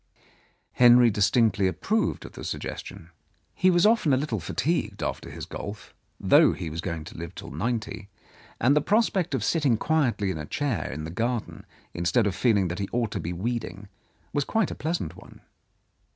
Henry distinctly approved of the suggestion. He was often a little fatigued after his golf, though he was going to live till ninety, and the prospect of sit ting quietly in a chair in the garden, instead of feel ing that he ought to be weeding, was quite a pleasant one.